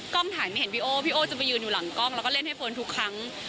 ถ่ายไม่เห็นพี่โอ้พี่โอ้จะไปยืนอยู่หลังกล้องแล้วก็เล่นให้เฟิร์นทุกครั้ง